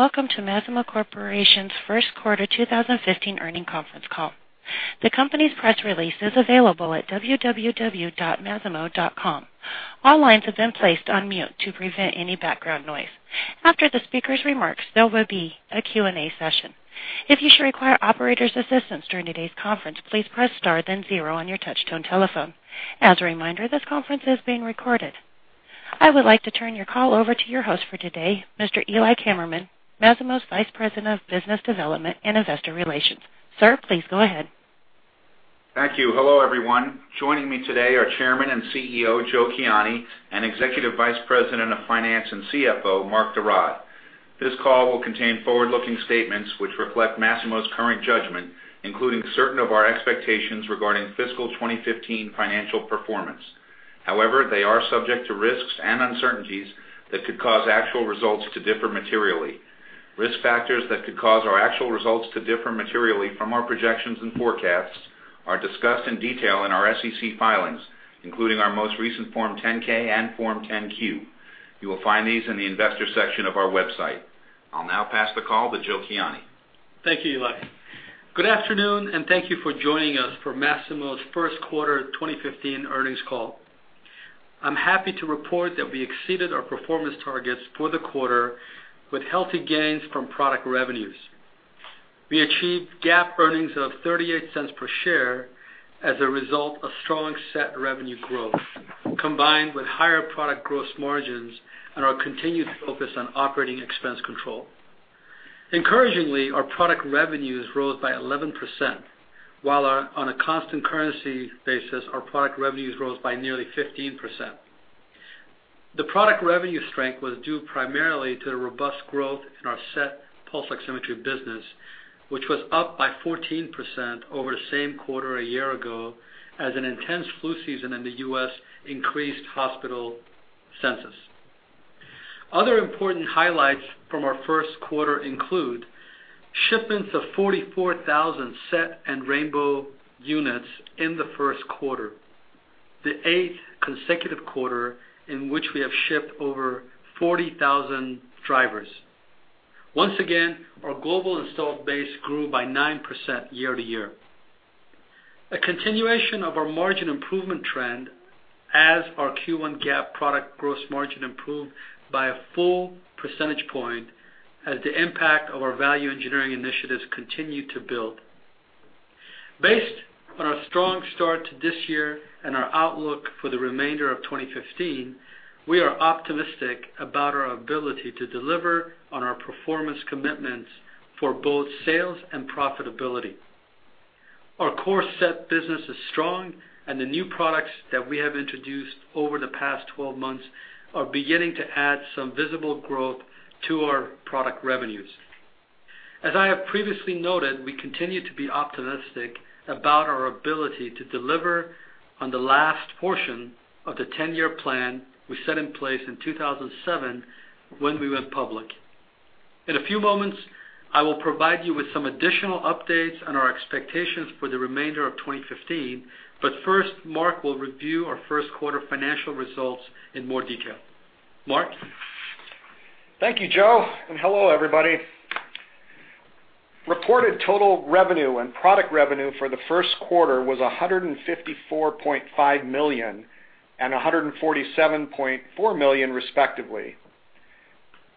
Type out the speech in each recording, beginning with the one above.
Welcome to Masimo Corporation's first quarter 2015 earnings conference call. The company's press release is available at www.masimo.com. All lines have been placed on mute to prevent any background noise. After the speakers' remarks, there will be a Q&A session. If you should require operator's assistance during today's conference, please press star then zero on your touch-tone telephone. As a reminder, this conference is being recorded. I would like to turn your call over to your host for today, Mr. Eli Kammerman, Masimo's Vice President of Business Development and Investor Relations. Sir, please go ahead. Thank you. Hello, everyone. Joining me today are Chairman and CEO, Joe Kiani, and Executive Vice President of Finance and CFO, Mark de Raad. This call will contain forward-looking statements which reflect Masimo's current judgment, including certain of our expectations regarding fiscal 2015 financial performance. However, they are subject to risks and uncertainties that could cause actual results to differ materially. Risk factors that could cause our actual results to differ materially from our projections and forecasts are discussed in detail in our SEC filings, including our most recent Form 10-K and Form 10-Q. You will find these in the investors section of our website. I'll now pass the call to Joe Kiani. Thank you, Eli. Good afternoon, and thank you for joining us for Masimo's first quarter 2015 earnings call. I'm happy to report that we exceeded our performance targets for the quarter with healthy gains from product revenues. We achieved GAAP earnings of $0.38 per share as a result of strong SET revenue growth, combined with higher product gross margins and our continued focus on operating expense control. Encouragingly, our product revenues rose by 11%, while on a constant currency basis, our product revenues rose by nearly 15%. The product revenue strength was due primarily to the robust growth in our SET pulse oximetry business, which was up by 14% over the same quarter a year ago as an intense flu season in the U.S. increased hospital census. Other important highlights from our first quarter include shipments of 44,000 SET and rainbow units in the first quarter, the eighth consecutive quarter in which we have shipped over 40,000 drivers. Once again, our global installed base grew by 9% year-over-year. A continuation of our margin improvement trend as our Q1 GAAP product gross margin improved by a full percentage point as the impact of our value engineering initiatives continued to build. Based on our strong start to this year and our outlook for the remainder of 2015, we are optimistic about our ability to deliver on our performance commitments for both sales and profitability. Our core SET business is strong, and the new products that we have introduced over the past twelve months are beginning to add some visible growth to our product revenues. As I have previously noted, we continue to be optimistic about our ability to deliver on the last portion of the 10-year plan we set in place in 2007 when we went public. In a few moments, I will provide you with some additional updates on our expectations for the remainder of 2015, but first, Mark will review our first quarter financial results in more detail. Mark? Thank you, Joe, and hello, everybody. Reported total revenue and product revenue for the first quarter was $154.5 million and $147.4 million, respectively.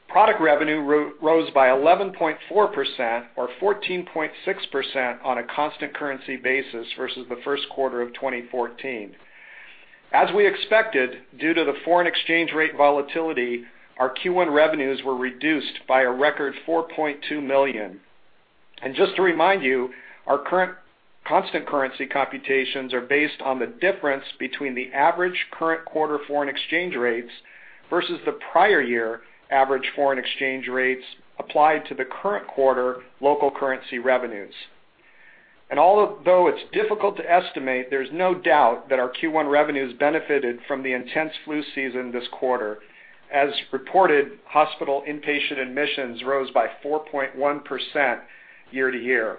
Product revenue rose by 11.4% or 14.6% on a constant currency basis versus the first quarter of 2014. As we expected, due to the foreign exchange rate volatility, our Q1 revenues were reduced by a record $4.2 million. Just to remind you, our current constant currency computations are based on the difference between the average current quarter foreign exchange rates versus the prior year average foreign exchange rates applied to the current quarter local currency revenues. Although it's difficult to estimate, there's no doubt that our Q1 revenues benefited from the intense flu season this quarter. As reported, hospital inpatient admissions rose by 4.1% year-to-year.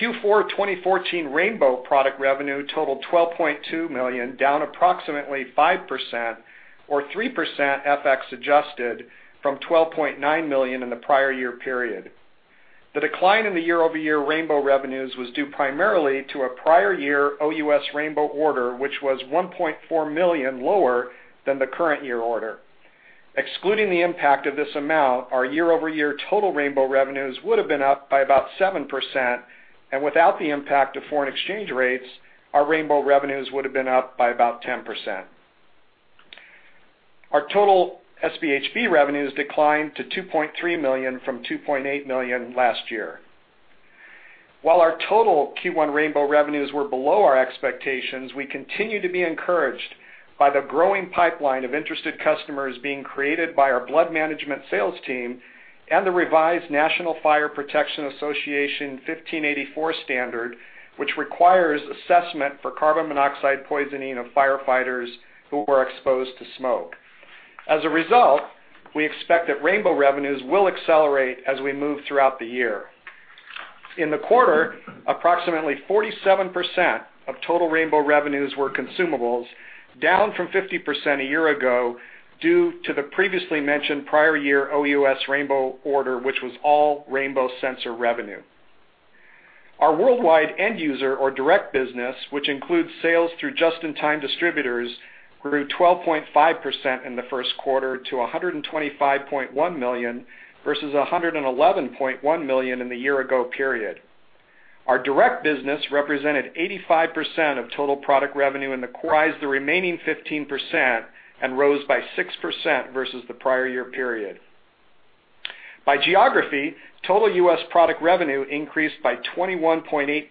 Q1 2015 rainbow product revenue totaled $12.2 million, down approximately 5% or 3% FX adjusted from $12.9 million in the prior year period. The decline in the year-over-year rainbow revenues was due primarily to a prior year OUS rainbow order, which was $1.4 million lower than the current year order. Excluding the impact of this amount, our year-over-year total rainbow revenues would have been up by about 7% and without the impact of foreign exchange rates, our rainbow revenues would have been up by about 10%. Our total SpHb revenues declined to $2.3 million from $2.8 million last year. While our total Q1 rainbow revenues were below our expectations, we continue to be encouraged by the growing pipeline of interested customers being created by our blood management sales team and the revised National Fire Protection Association 1584 standard, which requires assessment for carbon monoxide poisoning of firefighters who were exposed to smoke. As a result, we expect that rainbow revenues will accelerate as we move throughout the year. In the quarter, approximately 47% of total rainbow revenues were consumables, down from 50% a year ago due to the previously mentioned prior year OUS rainbow order, which was all rainbow sensor revenue. Our worldwide end user or direct business, which includes sales through just-in-time distributors, grew 12.5% in the first quarter to $125.1 million versus $111.1 million in the year ago period. Our direct business represented 85% of total product revenue in the quarter, the remaining 15% and rose by 6% versus the prior year period. By geography, total U.S. product revenue increased by 21.8%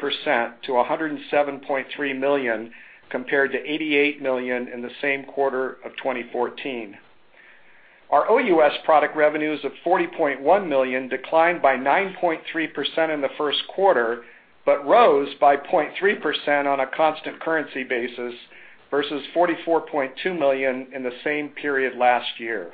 to $107.3 million, compared to $88 million in the same quarter of 2014. Our OUS product revenues of $40.1 million declined by 9.3% in the first quarter, but rose by 0.3% on a constant currency basis versus $44.2 million in the same period last year.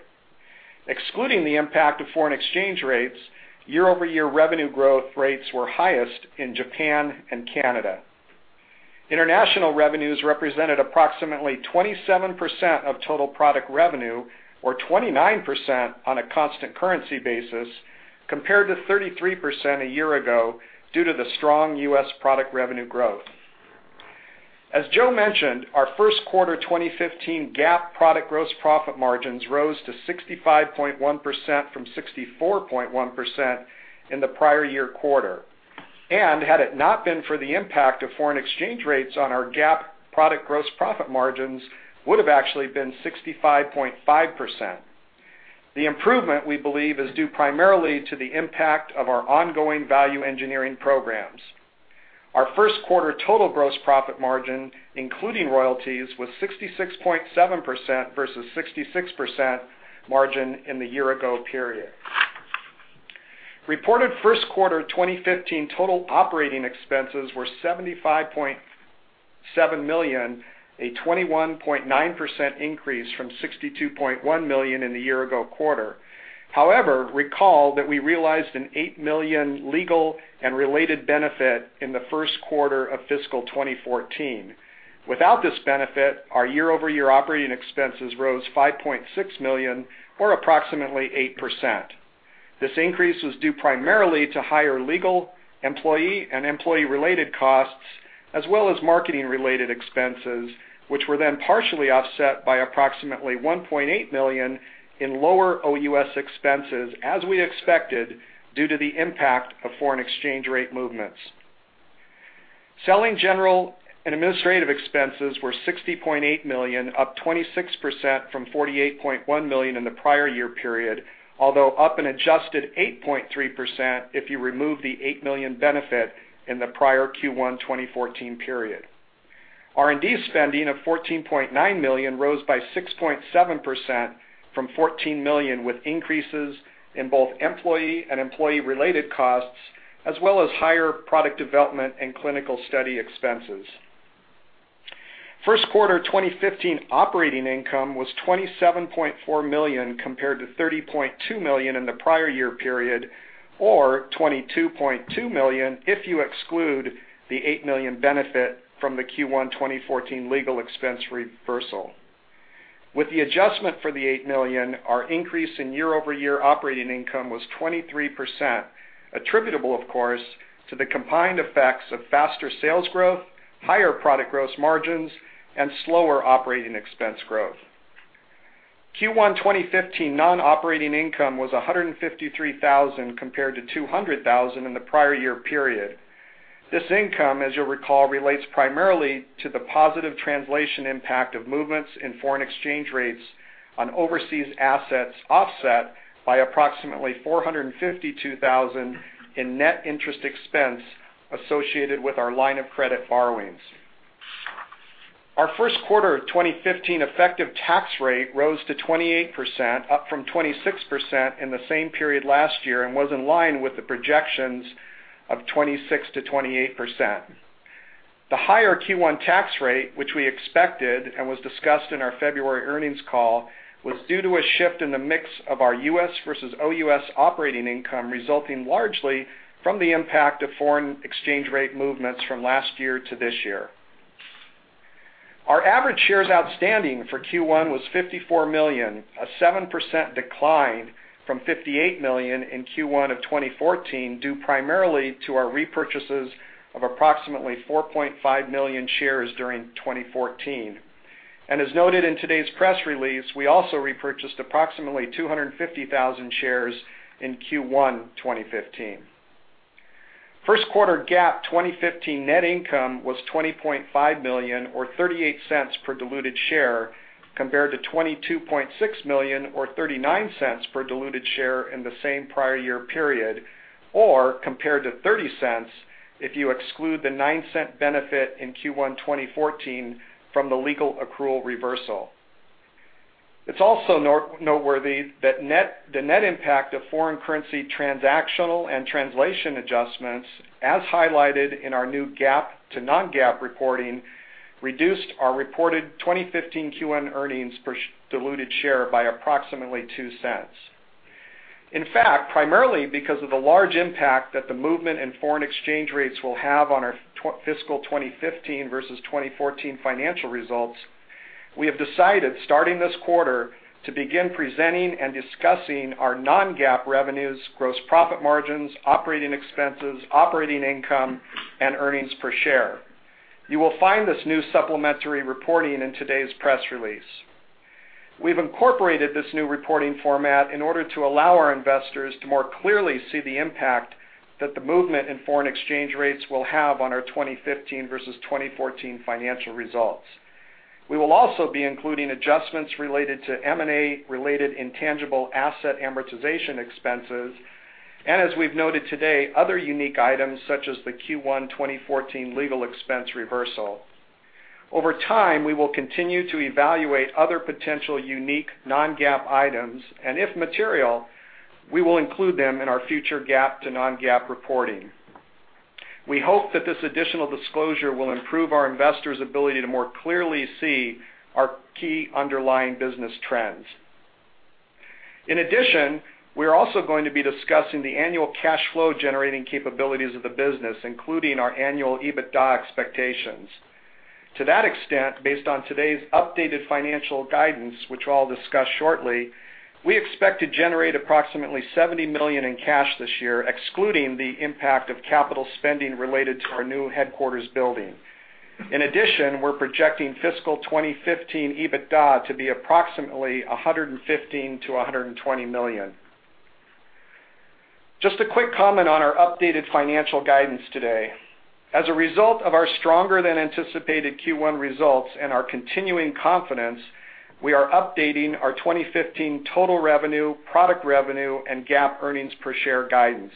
Excluding the impact of foreign exchange rates, year-over-year revenue growth rates were highest in Japan and Canada. International revenues represented approximately 27% of total product revenue or 29% on a constant currency basis compared to 33% a year ago due to the strong U.S. product revenue growth. As Joe mentioned, our first quarter 2015 GAAP product gross profit margins rose to 65.1% from 64.1% in the prior year quarter, and had it not been for the impact of foreign exchange rates on our GAAP product gross profit margins, would have actually been 65.5%. The improvement, we believe, is due primarily to the impact of our ongoing value engineering programs. Our first quarter total gross profit margin, including royalties, was 66.7% versus 66% margin in the year ago period. Reported first quarter 2015 total operating expenses were $75.7 million, a 21.9% increase from $62.1 million in the year ago quarter. Recall that we realized an $8 million legal and related benefit in the first quarter of fiscal 2014. Without this benefit, our year-over-year operating expenses rose $5.6 million or approximately 8%. This increase was due primarily to higher legal employee and employee-related costs, as well as marketing-related expenses, which were then partially offset by approximately $1.8 million in lower OUS expenses, as we expected, due to the impact of foreign exchange rate movements. Selling, general and administrative expenses were $60.8 million, up 26% from $48.1 million in the prior year period. Although up an adjusted 8.3% if you remove the $8 million benefit in the prior Q1 2014 period. R&D spending of $14.9 million rose by 6.7% from $14 million, with increases in both employee and employee-related costs, as well as higher product development and clinical study expenses. First quarter 2015 operating income was $27.4 million compared to $30.2 million in the prior year period, or $22.2 million if you exclude the $8 million benefit from the Q1 2014 legal expense reversal. With the adjustment for the $8 million, our increase in year-over-year operating income was 23%, attributable of course, to the combined effects of faster sales growth, higher product gross margins, and slower operating expense growth. Q1 2015 non-operating income was $153,000 compared to $200,000 in the prior year period. This income, as you'll recall, relates primarily to the positive translation impact of movements in foreign exchange rates on overseas assets, offset by approximately $452,000 in net interest expense associated with our line of credit borrowings. Our first quarter 2015 effective tax rate rose to 28%, up from 26% in the same period last year and was in line with the projections of 26%-28%. The higher Q1 tax rate, which we expected and was discussed in our February earnings call, was due to a shift in the mix of our U.S. versus OUS operating income, resulting largely from the impact of foreign exchange rate movements from last year to this year. Our average shares outstanding for Q1 was 54 million, a 7% decline from 58 million in Q1 of 2014, due primarily to our repurchases of approximately 4.5 million shares during 2014. As noted in today's press release, we also repurchased approximately 250,000 shares in Q1 2015. First quarter GAAP 2015 net income was $20.5 million, or $0.38 per diluted share, compared to $22.6 million or $0.39 per diluted share in the same prior year period, or compared to $0.30 if you exclude the $0.09 benefit in Q1 2014 from the legal accrual reversal. It's also noteworthy that the net impact of foreign currency transactional and translation adjustments, as highlighted in our new GAAP to non-GAAP reporting reduced our reported 2015 Q1 earnings per diluted share by approximately $0.02. In fact, primarily because of the large impact that the movement in foreign exchange rates will have on our fiscal 2015 versus 2014 financial results, we have decided, starting this quarter, to begin presenting and discussing our non-GAAP revenues, gross profit margins, operating expenses, operating income, and earnings per share. You will find this new supplementary reporting in today's press release. We've incorporated this new reporting format in order to allow our investors to more clearly see the impact that the movement in foreign exchange rates will have on our 2015 versus 2014 financial results. We will also be including adjustments related to M&A-related intangible asset amortization expenses, and as we've noted today, other unique items such as the Q1 2014 legal expense reversal. Over time, we will continue to evaluate other potential unique non-GAAP items, and if material, we will include them in our future GAAP to non-GAAP reporting. We hope that this additional disclosure will improve our investors' ability to more clearly see our key underlying business trends. In addition, we are also going to be discussing the annual cash flow generating capabilities of the business, including our annual EBITDA expectations. To that extent, based on today's updated financial guidance, which I'll discuss shortly, we expect to generate approximately $70 million in cash this year, excluding the impact of capital spending related to our new headquarters building. In addition, we're projecting fiscal 2015 EBITDA to be approximately $115 million-$120 million. Just a quick comment on our updated financial guidance today. As a result of our stronger than anticipated Q1 results and our continuing confidence, we are updating our 2015 total revenue, product revenue, and GAAP earnings per share guidance.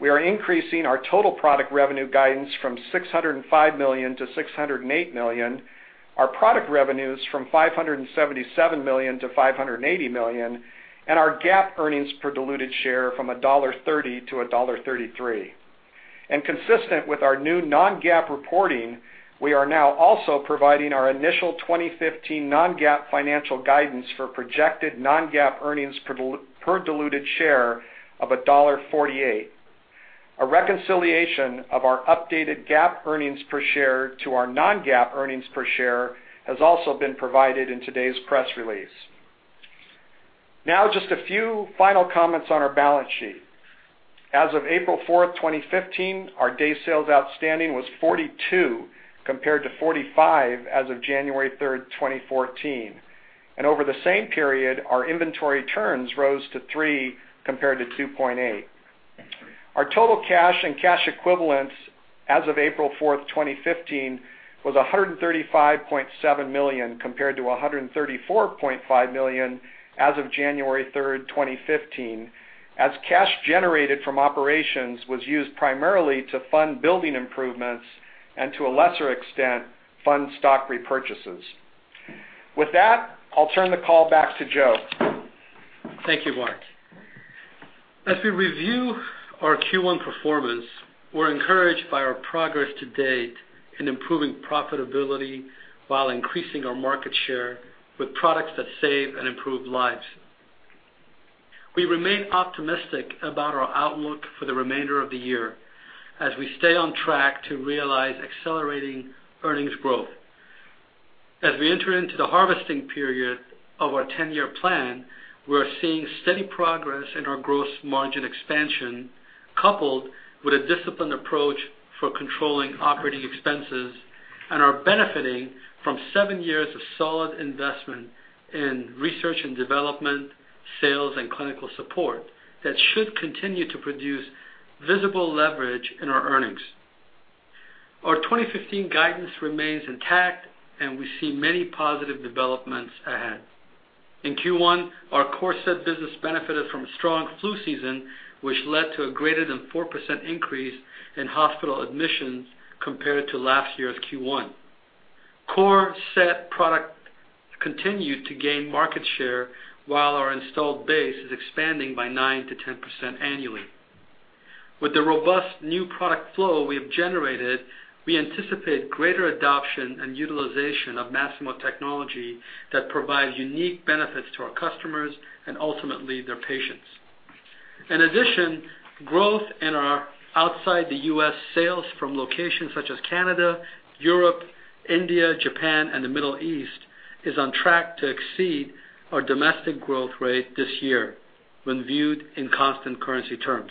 We are increasing our total product revenue guidance from $605 million-$608 million, our product revenues from $577 million-$580 million, and our GAAP earnings per diluted share from $1.30-$1.33. Consistent with our new non-GAAP reporting, we are now also providing our initial 2015 non-GAAP financial guidance for projected non-GAAP earnings per diluted share of $1.48. A reconciliation of our updated GAAP earnings per share to our non-GAAP earnings per share has also been provided in today's press release. Now, just a few final comments on our balance sheet. As of April 4th, 2015, our day sales outstanding was 42, compared to 45 as of January 3rd, 2015. Over the same period, our inventory turns rose to three compared to 2.8. Our total cash and cash equivalents as of April 4th, 2015, was $135.7 million, compared to $134.5 million as of January 3rd, 2015, as cash generated from operations was used primarily to fund building improvements and, to a lesser extent, fund stock repurchases. With that, I'll turn the call back to Joe. Thank you, Mark. As we review our Q1 performance, we're encouraged by our progress to date in improving profitability while increasing our market share with products that save and improve lives. We remain optimistic about our outlook for the remainder of the year as we stay on track to realize accelerating earnings growth. As we enter into the harvesting period of our 10-year plan, we are seeing steady progress in our gross margin expansion coupled with a disciplined approach for controlling operating expenses and are benefiting from seven years of solid investment in research and development, sales, and clinical support that should continue to produce visible leverage in our earnings. Our 2015 guidance remains intact, and we see many positive developments ahead. In Q1, our core SET business benefited from a strong flu season, which led to a greater than 4% increase in hospital admissions compared to last year's Q1. Core SET product continued to gain market share while our installed base is expanding by 9%-10% annually. With the robust new product flow we have generated, we anticipate greater adoption and utilization of Masimo technology that provides unique benefits to our customers and ultimately their patients. In addition, growth in our outside the U.S. sales from locations such as Canada, Europe, India, Japan, and the Middle East is on track to exceed our domestic growth rate this year when viewed in constant currency terms.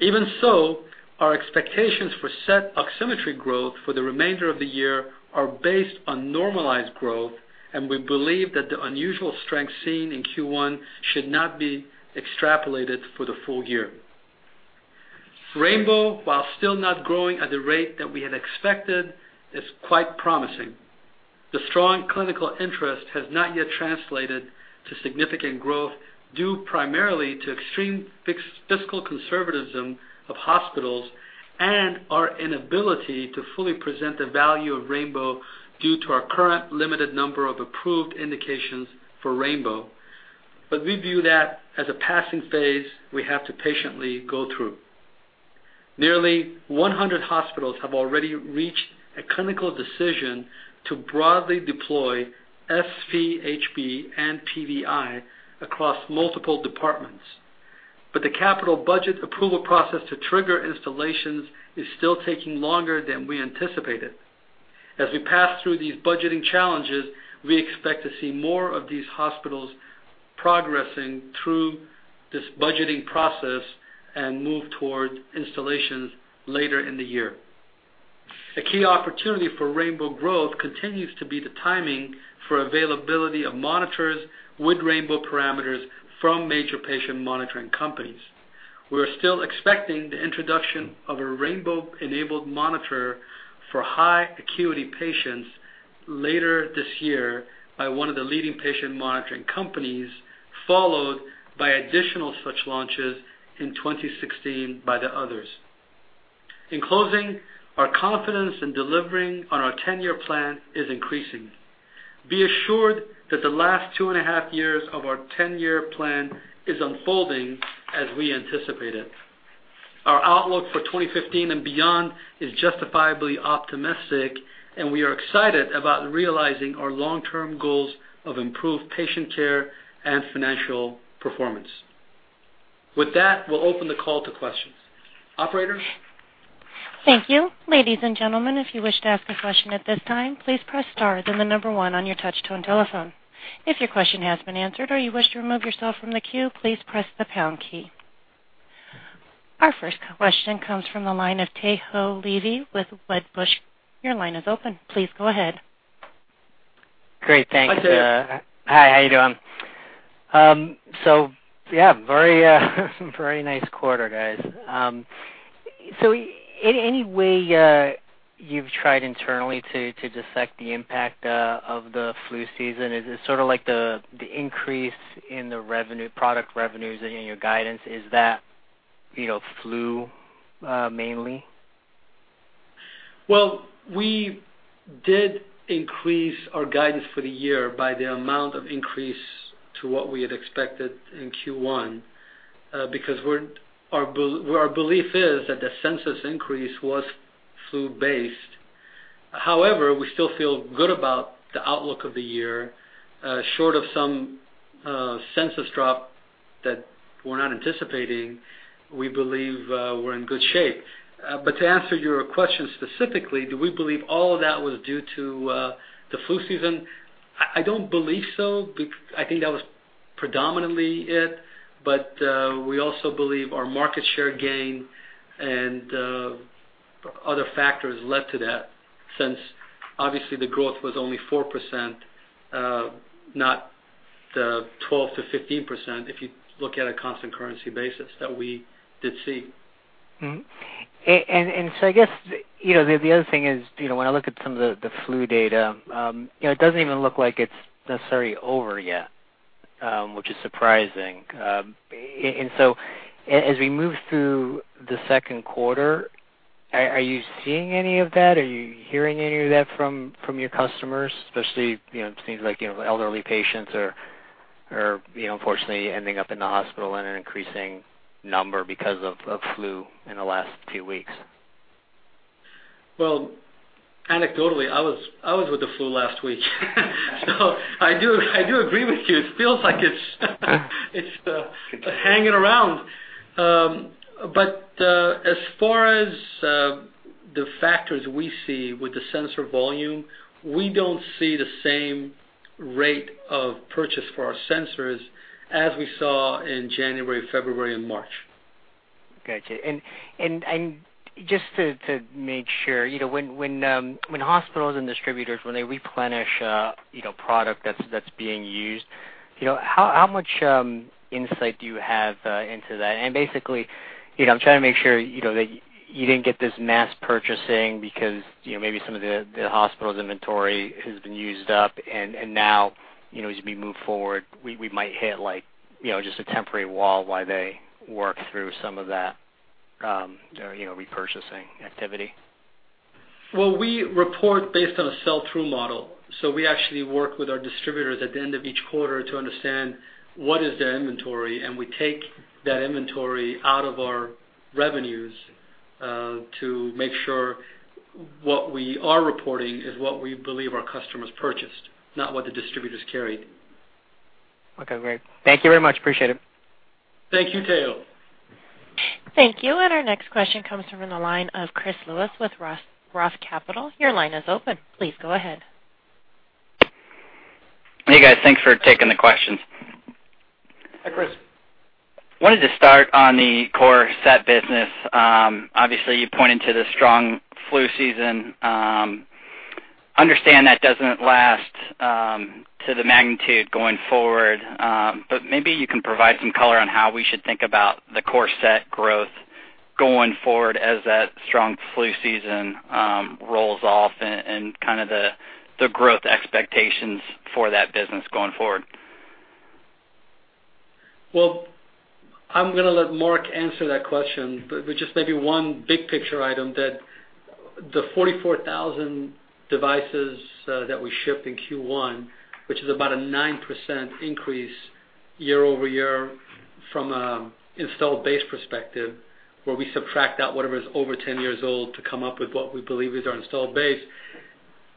Even so, our expectations for SET oximetry growth for the remainder of the year are based on normalized growth, and we believe that the unusual strength seen in Q1 should not be extrapolated for the full year. rainbow, while still not growing at the rate that we had expected, is quite promising. The strong clinical interest has not yet translated to significant growth, due primarily to extreme fiscal conservatism of hospitals and our inability to fully present the value of rainbow due to our current limited number of approved indications for rainbow. We view that as a passing phase we have to patiently go through. Nearly 100 hospitals have already reached a clinical decision to broadly deploy SpHb and PVi across multiple departments. The capital budget approval process to trigger installations is still taking longer than we anticipated. As we pass through these budgeting challenges, we expect to see more of these hospitals progressing through this budgeting process and move towards installations later in the year. A key opportunity for rainbow growth continues to be the timing for availability of monitors with rainbow parameters from major patient monitoring companies. We are still expecting the introduction of a rainbow-enabled monitor for high acuity patients later this year by one of the leading patient monitoring companies, followed by additional such launches in 2016 by the others. In closing, our confidence in delivering on our 10-year plan is increasing. Be assured that the last two and a half years of our 10-year plan is unfolding as we anticipated. Our outlook for 2015 and beyond is justifiably optimistic, and we are excited about realizing our long-term goals of improved patient care and financial performance. With that, we'll open the call to questions. Operator? Thank you. Ladies and gentlemen, if you wish to ask a question at this time, please press star then the number one on your touch-tone telephone. If your question has been answered or you wish to remove yourself from the queue, please press the pound key. Our first question comes from the line of Tao Levy with Wedbush. Your line is open. Please go ahead. Great. Thanks. Hi, Tao. Hi, how you doing? Yeah, very nice quarter, guys. Any way you've tried internally to dissect the impact of the flu season? Is it sort of like the increase in the product revenues in your guidance, is that flu, mainly? Well, we did increase our guidance for the year by the amount of increase to what we had expected in Q1, because our belief is that the census increase was flu based. However, we still feel good about the outlook of the year. Short of some census drop that we're not anticipating, we believe we're in good shape. To answer your question specifically, do we believe all of that was due to the flu season? I don't believe so. I think that was predominantly it, but we also believe our market share gain and other factors led to that, since obviously the growth was only 4%, not the 12%-15%, if you look at a constant currency basis that we did see. I guess the other thing is when I look at some of the flu data, it doesn't even look like it's necessarily over yet, which is surprising. As we move through the second quarter, are you seeing any of that? Are you hearing any of that from your customers, especially it seems like elderly patients are unfortunately ending up in the hospital in an increasing number because of flu in the last few weeks. Well, anecdotally, I was with the flu last week. I do agree with you. It feels like it's hanging around. As far as the factors we see with the sensor volume, we don't see the same rate of purchase for our sensors as we saw in January, February, and March. Got you. Just to make sure, when hospitals and distributors, when they replenish product that's being used, how much insight do you have into that? Basically, I'm trying to make sure that you didn't get this mass purchasing because maybe some of the hospital's inventory has been used up and now, as we move forward, we might hit just a temporary wall while they work through some of that repurchasing activity. We report based on a sell-through model, we actually work with our distributors at the end of each quarter to understand what is their inventory, and we take that inventory out of our revenues to make sure what we are reporting is what we believe our customers purchased, not what the distributors carried. Great. Thank you very much. Appreciate it. Thank you, Tao. Thank you. Our next question comes from the line of Chris Lewis with Roth Capital. Your line is open. Please go ahead. Hey, guys. Thanks for taking the questions. Hi, Chris. I wanted to start on the core SET business. Obviously, you pointed to the strong flu season. I understand that doesn't last to the magnitude going forward, but maybe you can provide some color on how we should think about the core SET growth going forward as that strong flu season rolls off and kind of the growth expectations for that business going forward. I'm going to let Mark answer that question, but just maybe one big picture item that the 44,000 devices that we shipped in Q1, which is about a 9% increase year-over-year from an installed base perspective, where we subtract out whatever is over 10 years old to come up with what we believe is our installed base,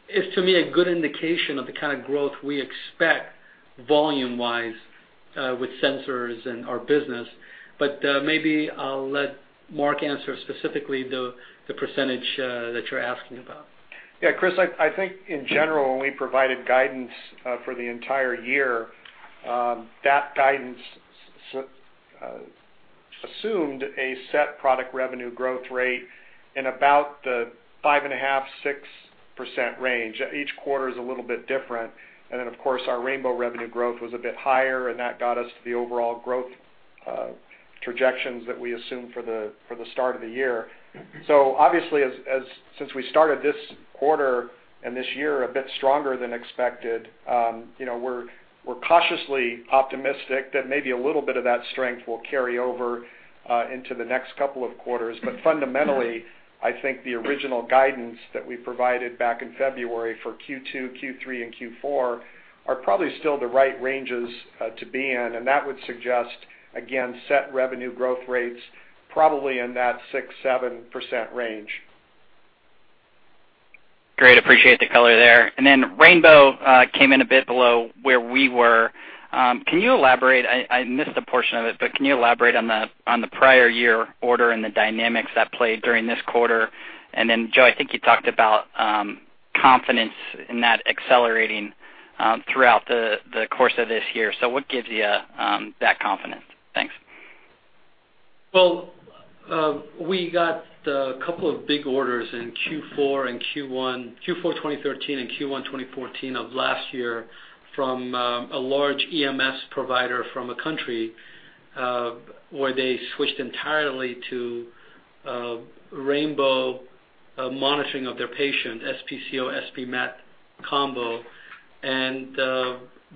is to me a good indication of the kind of growth we expect volume-wise with sensors and our business. Maybe I'll let Mark answer specifically the percentage that you're asking about. Yeah, Chris, I think in general, when we provided guidance for the entire year, that guidance assumed a SET product revenue growth rate in about the 5.5%-6% range. Each quarter is a little bit different. Of course, our rainbow revenue growth was a bit higher, and that got us to the overall growth trajectories that we assumed for the start of the year. Obviously since we started this quarter and this year a bit stronger than expected, we're cautiously optimistic that maybe a little bit of that strength will carry over into the next couple of quarters. Fundamentally, I think the original guidance that we provided back in February for Q2, Q3, and Q4 are probably still the right ranges to be in, and that would suggest, again, SET revenue growth rates probably in that 6%-7% range. Great. Appreciate the color there. rainbow came in a bit below where we were. I missed a portion of it, but can you elaborate on the prior year order and the dynamics that played during this quarter? Joe, I think you talked about confidence in that accelerating throughout the course of this year. What gives you that confidence? Thanks. Well, we got a couple of big orders in Q4 2013 and Q1 2014 of last year from a large EMS provider from a country, where they switched entirely to rainbow monitoring of their patient, SpCO, SpMet combo.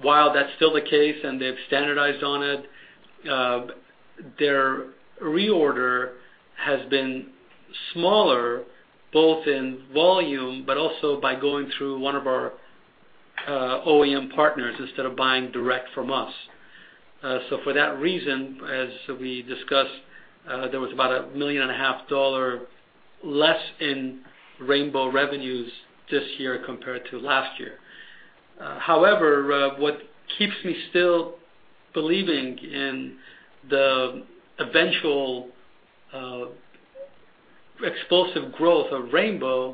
While that's still the case and they've standardized on it, their reorder has been smaller, both in volume, but also by going through one of our OEM partners instead of buying direct from us. For that reason, as we discussed, there was about a million and a half dollar less in rainbow revenues this year compared to last year. However, what keeps me still believing in the eventual explosive growth of rainbow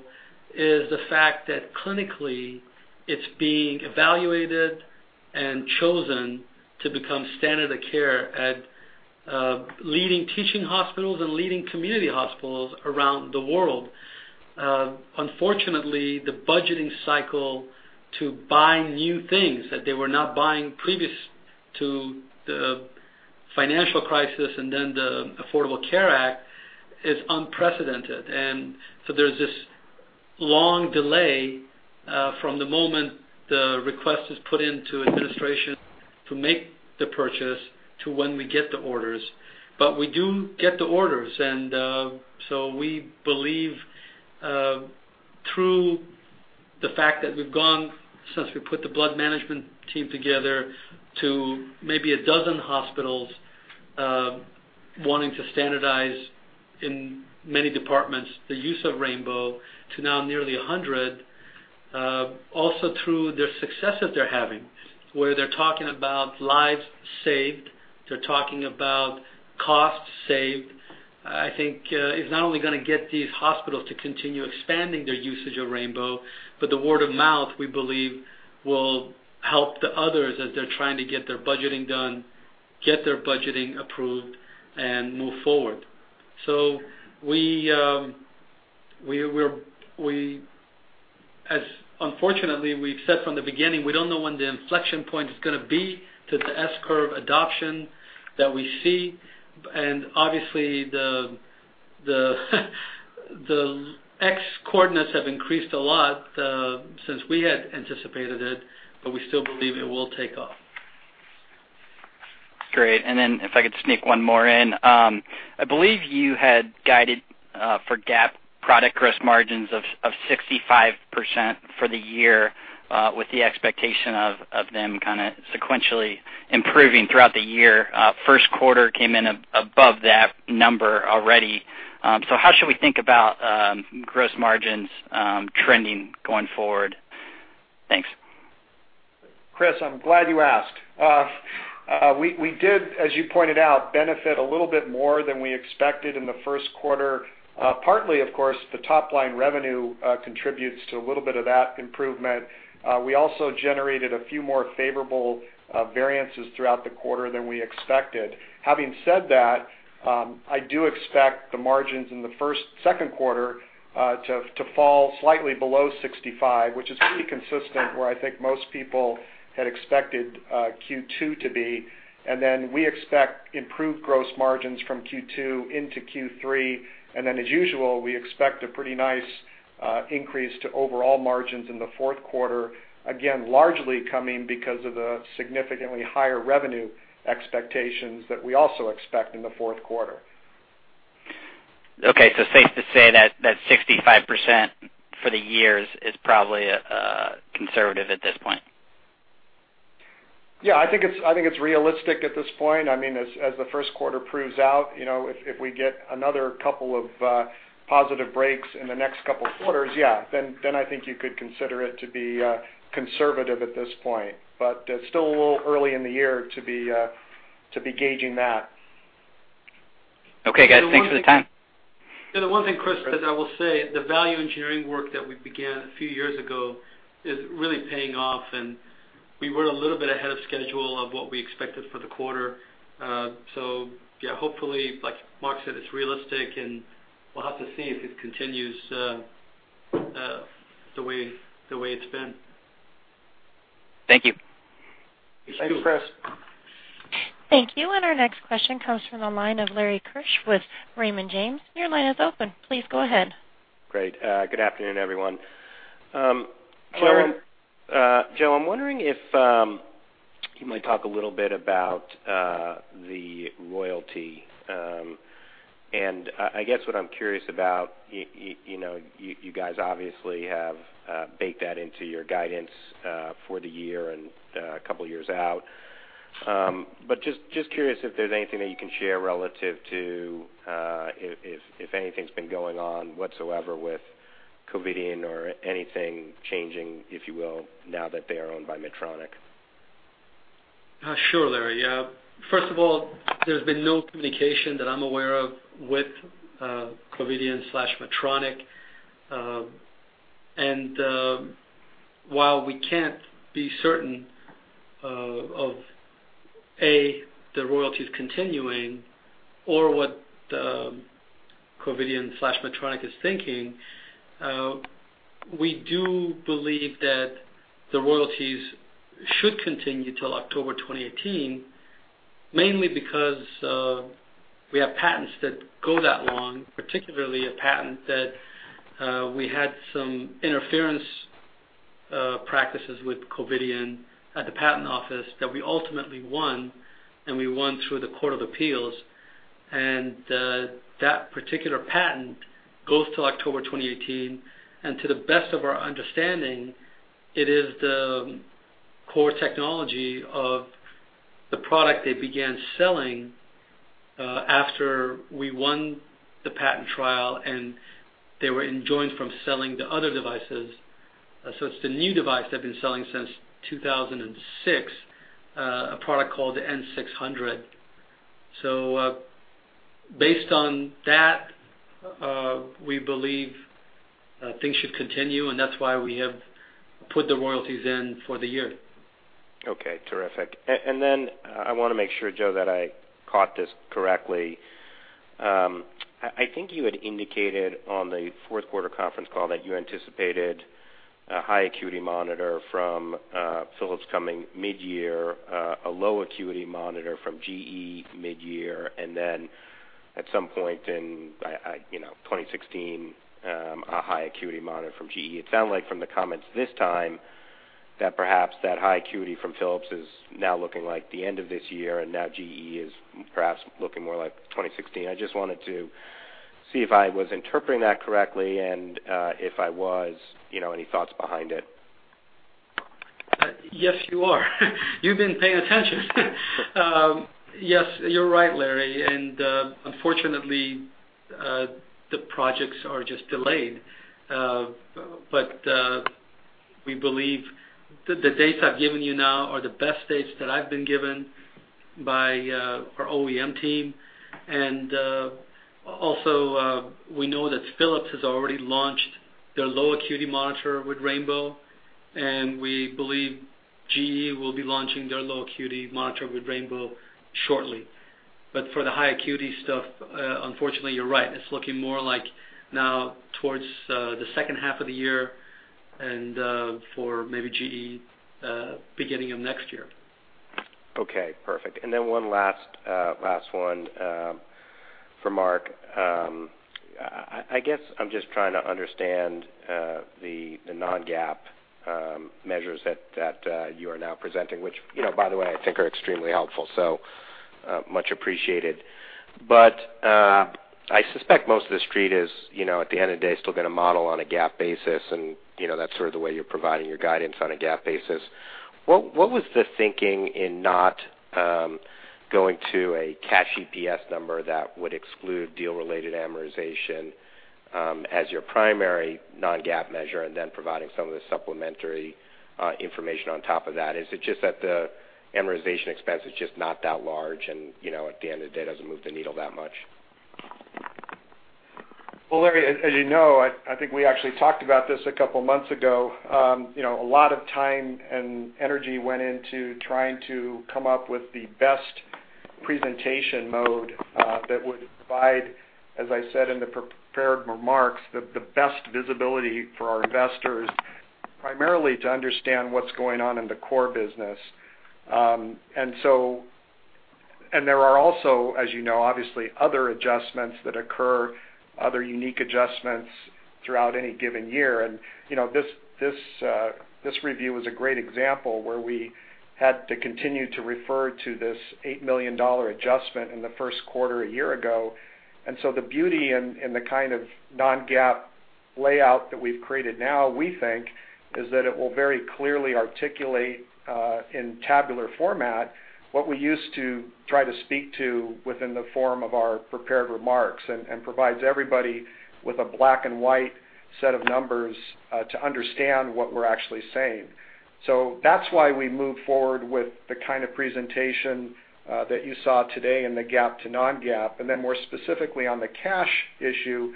is the fact that clinically it's being evaluated and chosen to become standard of care at leading teaching hospitals and leading community hospitals around the world. Unfortunately, the budgeting cycle to buy new things that they were not buying previous to the financial crisis and then the Affordable Care Act is unprecedented. There's this long delay from the moment the request is put into administration to make the purchase to when we get the orders. We do get the orders, and so we believe through the fact that we've gone, since we put the blood management team together, to maybe a dozen hospitals wanting to standardize in many departments the use of rainbow to now nearly 100, also through the successes they're having, where they're talking about lives saved, they're talking about costs saved, I think is not only going to get these hospitals to continue expanding their usage of rainbow, but the word of mouth, we believe, will help the others as they're trying to get their budgeting done, get their budgeting approved, and move forward. As unfortunately we've said from the beginning, we don't know when the inflection point is going to be to the S-curve adoption that we see, and obviously the X coordinates have increased a lot since we had anticipated it, but we still believe it will take off. Great. Then if I could sneak one more in. I believe you had guided for GAAP product gross margins of 65% for the year with the expectation of them sequentially improving throughout the year. First quarter came in above that number already. How should we think about gross margins trending going forward? Thanks. Chris, I'm glad you asked. We did, as you pointed out, benefit a little bit more than we expected in the first quarter. Partly, of course, the top-line revenue contributes to a little bit of that improvement. We also generated a few more favorable variances throughout the quarter than we expected. Having said that, I do expect the margins in the second quarter to fall slightly below 65%, which is pretty consistent where I think most people had expected Q2 to be. We expect improved gross margins from Q2 into Q3. As usual, we expect a pretty nice increase to overall margins in the fourth quarter, again, largely coming because of the significantly higher revenue expectations that we also expect in the fourth quarter. Safe to say that 65% for the year is probably conservative at this point? I think it's realistic at this point. As the first quarter proves out, if we get another couple of positive breaks in the next couple of quarters, I think you could consider it to be conservative at this point. It's still a little early in the year to be gauging that. Guys. Thanks for the time. The one thing, Chris, that I will say, the value engineering work that we began a few years ago is really paying off, and we run a little bit ahead of schedule of what we expected for the quarter. Yeah, hopefully like Mark said, it's realistic, and we'll have to see if it continues the way it's been. Thank you. Thank you. Thanks, Chris. Thank you. Our next question comes from the line of Larry Keusch with Raymond James. Your line is open. Please go ahead. Great. Good afternoon, everyone. Sure. Joe, I'm wondering if you might talk a little bit about the royalty. I guess what I'm curious about, you guys obviously have baked that into your guidance for the year and a couple years out. Just curious if there's anything that you can share relative to if anything's been going on whatsoever with Covidien or anything changing, if you will, now that they are owned by Medtronic. Sure, Larry. First of all, there's been no communication that I'm aware of with Covidien/Medtronic. While we can't be certain of, A, the royalties continuing or what Covidien/Medtronic is thinking, we do believe that the royalties should continue till October 2018, mainly because we have patents that go that long, particularly a patent that we had some interference practices with Covidien at the patent office that we ultimately won, and we won through the Court of Appeals. That particular patent goes till October 2018, and to the best of our understanding, it is the core technology of the product they began selling after we won the patent trial, and they were enjoined from selling the other devices. It's the new device they've been selling since 2006, a product called the N-600. Based on that, we believe things should continue, and that's why we have put the royalties in for the year. Okay, terrific. I want to make sure, Joe, that I caught this correctly. I think you had indicated on the fourth quarter conference call that you anticipated a high acuity monitor from Philips coming mid-year, a low acuity monitor from GE mid-year, and then at some point in 2016, a high acuity monitor from GE. It sounded like from the comments this time that perhaps that high acuity from Philips is now looking like the end of this year, and GE is perhaps looking more like 2016. I just wanted to see if I was interpreting that correctly, and if I was, any thoughts behind it? You are. You've been paying attention. You're right, Larry, unfortunately, the projects are just delayed. We believe the dates I've given you now are the best dates that I've been given by our OEM team. We know that Philips has already launched their low acuity monitor with rainbow, and we believe GE will be launching their low acuity monitor with rainbow shortly. For the high acuity stuff, unfortunately, you're right. It's looking more like now towards the second half of the year and for maybe GE, beginning of next year. Okay, perfect. One last one for Mark. I guess I'm just trying to understand the non-GAAP measures that you are now presenting, which, by the way, I think are extremely helpful, so much appreciated. I suspect most of the street is, at the end of the day, still going to model on a GAAP basis, and that's sort of the way you're providing your guidance on a GAAP basis. What was the thinking in not going to a cash EPS number that would exclude deal-related amortization as your primary non-GAAP measure and then providing some of the supplementary information on top of that? Is it just that the amortization expense is just not that large and, at the end of the day, doesn't move the needle that much? Well, Larry, as you know, I think we actually talked about this a couple of months ago. A lot of time and energy went into trying to come up with the best presentation mode that would provide, as I said in the prepared remarks, the best visibility for our investors, primarily to understand what's going on in the core business. There are also, as you know, obviously, other adjustments that occur, other unique adjustments throughout any given year. This review was a great example where we had to continue to refer to this $8 million adjustment in the first quarter a year ago. The beauty and the kind of non-GAAP layout that we've created now, we think, is that it will very clearly articulate, in tabular format, what we used to try to speak to within the form of our prepared remarks, and provides everybody with a black and white set of numbers to understand what we're actually saying. That's why we moved forward with the kind of presentation that you saw today in the GAAP to non-GAAP. More specifically on the cash issue,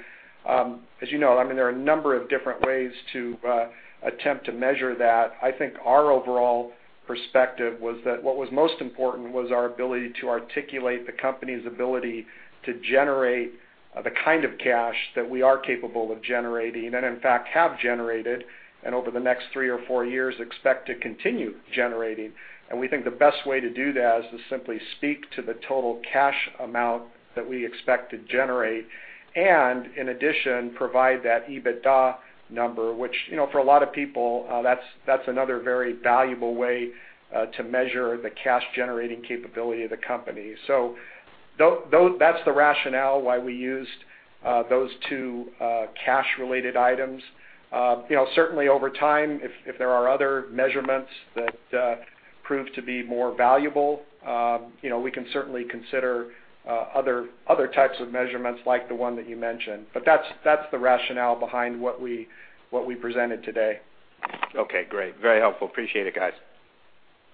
as you know, there are a number of different ways to attempt to measure that. I think our overall perspective was that what was most important was our ability to articulate the company's ability to generate the kind of cash that we are capable of generating and, in fact, have generated, and over the next three or four years, expect to continue generating. We think the best way to do that is to simply speak to the total cash amount that we expect to generate, and in addition, provide that EBITDA number, which, for a lot of people, that's another very valuable way to measure the cash-generating capability of the company. That's the rationale why we used those two cash-related items. Certainly over time, if there are other measurements that prove to be more valuable, we can certainly consider other types of measurements like the one that you mentioned. That's the rationale behind what we presented today. Okay, great. Very helpful. Appreciate it, guys.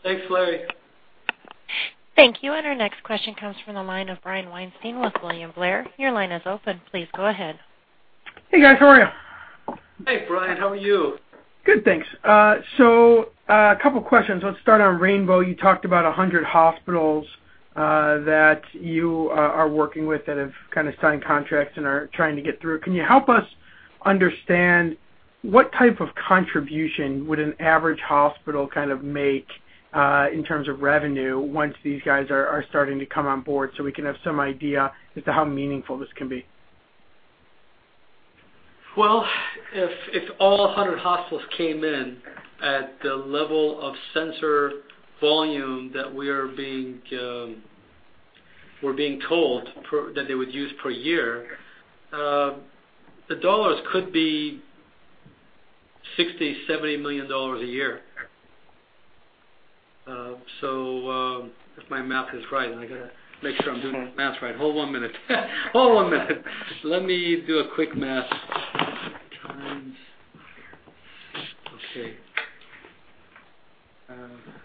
Thanks, Larry. Thank you. Our next question comes from the line of Brian Weinstein with William Blair. Your line is open. Please go ahead. Hey, guys. How are you? Hey, Brian. How are you? Good, thanks. A couple questions. Let's start on rainbow. You talked about 100 hospitals that you are working with that have signed contracts and are trying to get through. Can you help us understand what type of contribution would an average hospital make in terms of revenue once these guys are starting to come on board, so we can have some idea as to how meaningful this can be? Well, if all 100 hospitals came in at the level of sensor volume that we're being told that they would use per year, the dollars could be $60 million-$70 million a year. If my math is right, and I got to make sure I'm doing the math right. Hold one minute. Hold one minute. Let me do a quick math. Times. Okay.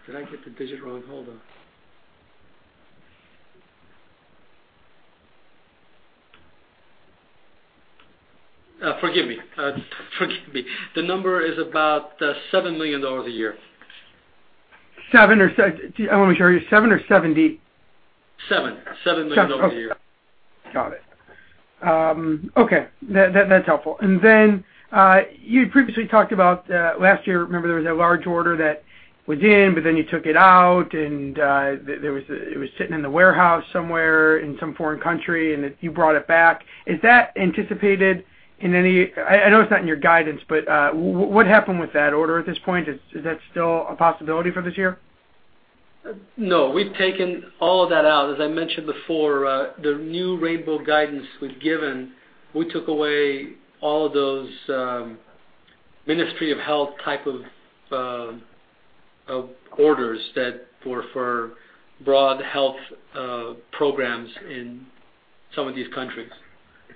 Did I get the digit wrong? Hold on. Forgive me. The number is about $7 million a year. I want to make sure I heard you. Seven or 70? $7 million a year. Got it. Okay, that's helpful. You previously talked about last year, remember there was a large order that was in, but then you took it out and it was sitting in the warehouse somewhere in some foreign country, and you brought it back. Is that anticipated? I know it's not in your guidance, but what happened with that order at this point? Is that still a possibility for this year? No, we've taken all of that out. As I mentioned before, the new rainbow guidance we've given, we took away all of those Ministry of Health type of orders that were for broad health programs in some of these countries.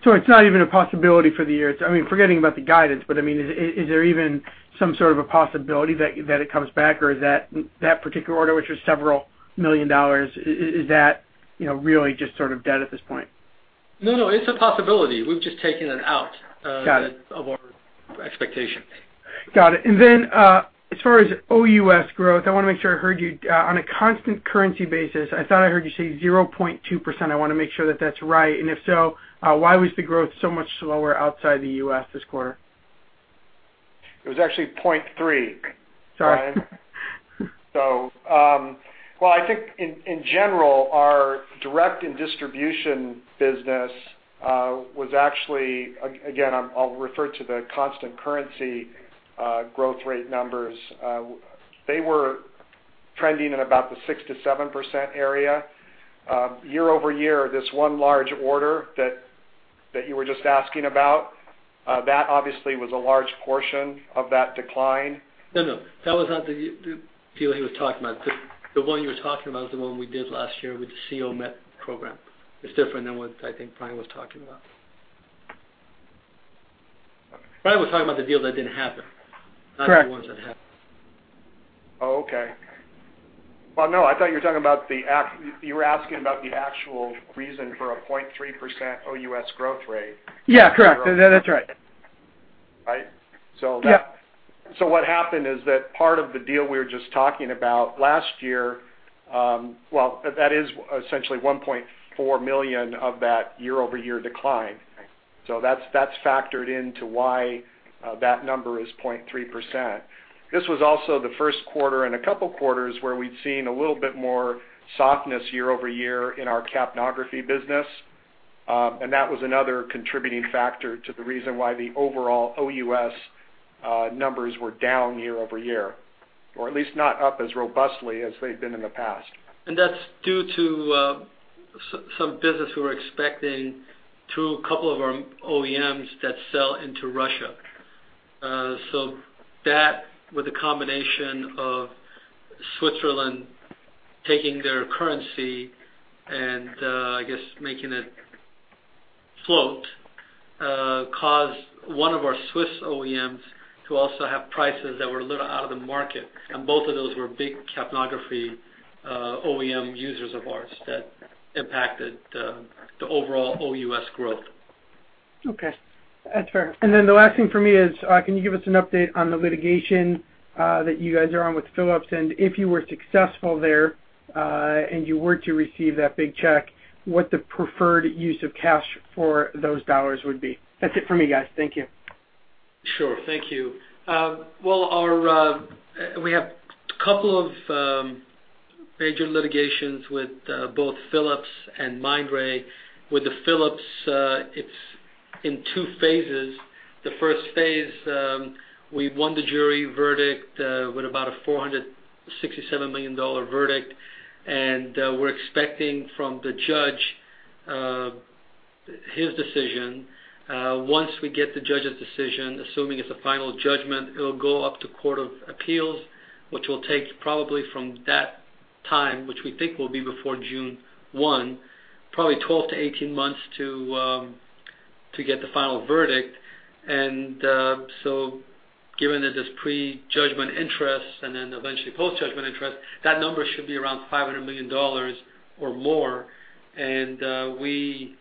It's not even a possibility for the year. Forgetting about the guidance, but is there even some sort of a possibility that it comes back, or is that particular order, which was several million dollars, is that really just sort of dead at this point? No, it's a possibility. We've just taken it out. Got it. of our expectations. Got it. Then, as far as OUS growth, I want to make sure I heard you. On a constant currency basis, I thought I heard you say 0.2%. I want to make sure that that's right. If so, why was the growth so much slower outside the U.S. this quarter? It was actually 0.3%. Sorry. Well, I think in general, our direct and distribution business was actually, again, I'll refer to the constant currency growth rate numbers. They were trending in about the 6%-7% area. Year-over-year, this one large order that you were just asking about, that obviously was a large portion of that decline. No, that was not the deal he was talking about. The one you were talking about is the one we did last year with the CO-Met program. It's different than what I think Brian was talking about. Brian was talking about the deal that didn't happen Correct not the ones that happened. Oh, okay. Well, no, I thought you were asking about the actual reason for a 0.3% OUS growth rate. Yeah, correct. That's right. Right. Yeah. What happened is that part of the deal we were just talking about last year, well, that is essentially $1.4 million of that year-over-year decline. Right. That's factored into why that number is 0.3%. This was also the first quarter and a couple quarters where we'd seen a little bit more softness year-over-year in our capnography business. That was another contributing factor to the reason why the overall OUS numbers were down year-over-year, or at least not up as robustly as they've been in the past. That's due to some business we were expecting through a couple of our OEMs that sell into Russia. That, with the combination of Switzerland taking their currency and, I guess, making it float, caused one of our Swiss OEMs to also have prices that were a little out of the market. Both of those were big capnography OEM users of ours that impacted the overall OUS growth. Okay. That's fair. The last thing from me is, can you give us an update on the litigation that you guys are on with Philips, and if you were successful there, and you were to receive that big check, what the preferred use of cash for those dollars would be? That's it for me, guys. Thank you. Sure. Thank you. We have couple of major litigations with both Philips and Mindray. With the Philips, it's in 2 phases. The first phase, we won the jury verdict with about a $467 million verdict, and we're expecting from the judge his decision. Once we get the judge's decision, assuming it's a final judgment, it'll go up to court of appeals, which will take probably from that time, which we think will be before June 1, probably 12 to 18 months to get the final verdict. Given that there's pre-judgment interest and then eventually post-judgment interest, that number should be around $500 million or more. We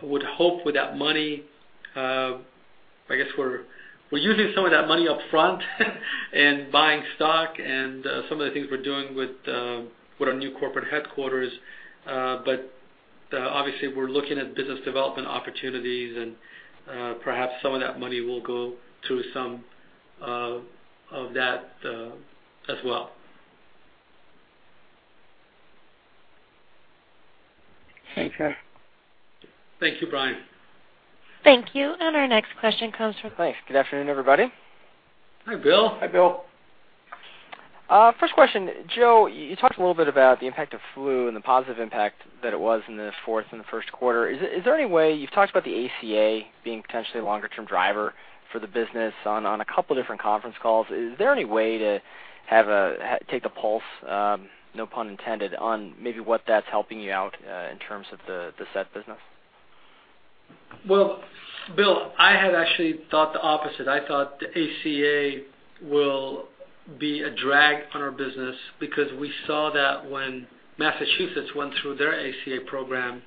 would hope with that money, I guess we're using some of that money up front in buying stock and some of the things we're doing with our new corporate headquarters. Obviously we're looking at business development opportunities and perhaps some of that money will go to some of that as well. Thanks, Joe. Thank you, Brian. Thank you. Our next question comes from- Thanks. Good afternoon, everybody. Hi, Bill. Hi, Bill. First question. Joe, you talked a little bit about the impact of flu and the positive impact that it was in the fourth and the first quarter. You've talked about the ACA being potentially a longer-term driver for the business on a couple of different conference calls. Is there any way to take a pulse, no pun intended, on maybe what that's helping you out, in terms of the SET business? Well, Bill, I had actually thought the opposite. I thought the ACA will be a drag on our business because we saw that when Massachusetts went through their ACA program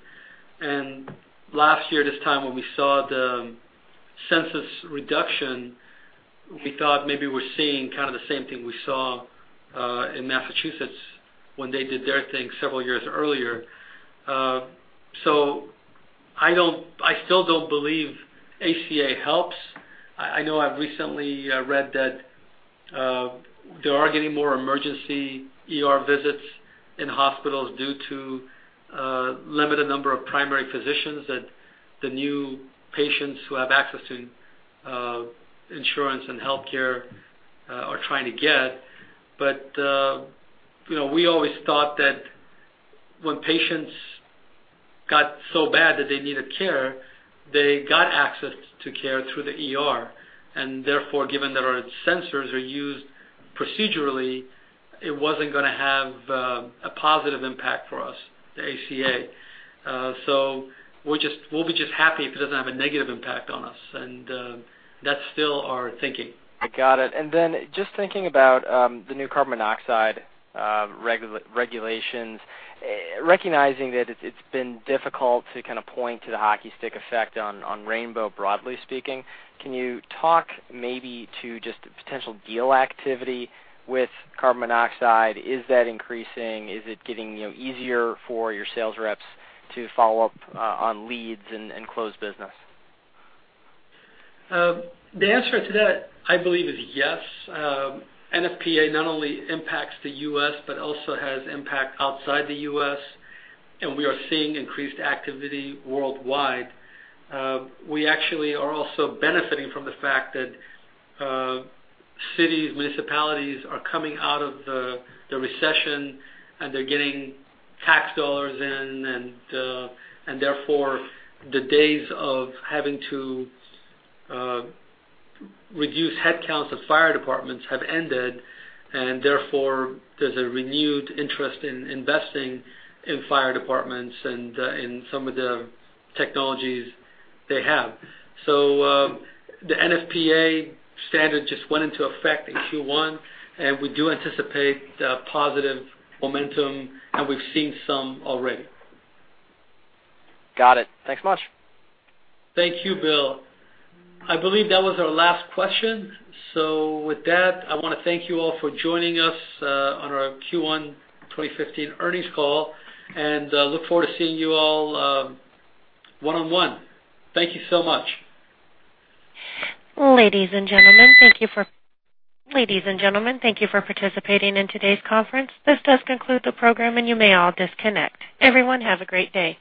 and last year, this time when we saw the census reduction, we thought maybe we're seeing kind of the same thing we saw in Massachusetts when they did their thing several years earlier. I still don't believe ACA helps. I know I've recently read that they are getting more emergency ER visits in hospitals due to limited number of primary physicians that the new patients who have access to insurance and healthcare are trying to get. We always thought that when patients got so bad that they needed care, they got access to care through the ER, and therefore, given that our sensors are used procedurally, it wasn't going to have a positive impact for us, the ACA. We'll be just happy if it doesn't have a negative impact on us. That's still our thinking. I got it. Just thinking about the new carbon monoxide regulations, recognizing that it's been difficult to kind of point to the hockey stick effect on rainbow, broadly speaking. Can you talk maybe to just potential deal activity with carbon monoxide? Is that increasing? Is it getting easier for your sales reps to follow up on leads and close business? The answer to that, I believe, is yes. NFPA not only impacts the U.S., but also has impact outside the U.S., we are seeing increased activity worldwide. We actually are also benefiting from the fact that cities, municipalities are coming out of the recession, they're getting tax dollars in, therefore, the days of having to reduce headcounts of fire departments have ended, therefore, there's a renewed interest in investing in fire departments and in some of the technologies they have. The NFPA standard just went into effect in Q1, we do anticipate positive momentum, we've seen some already. Got it. Thanks much. Thank you, Bill. I believe that was our last question. With that, I want to thank you all for joining us on our Q1 2015 earnings call, and look forward to seeing you all one on one. Thank you so much. Ladies and gentlemen, thank you for participating in today's conference. This does conclude the program, and you may all disconnect. Everyone have a great day.